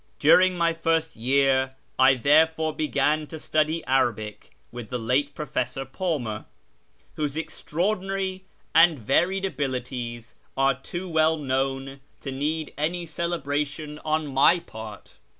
During my first year I therefore began to study Arabic with the late Professor Palmer, whose extraordinary and varied abilities are too well known to need any celebration on my part.